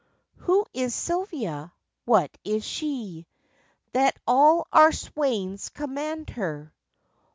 Who is Silvia? What is she, That all our swains commend her?